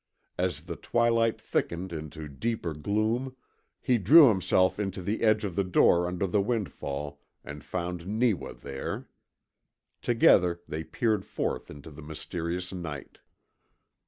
As the twilight thickened into deeper gloom he drew himself into the edge of the door under the windfall and found Neewa there. Together they peered forth into the mysterious night.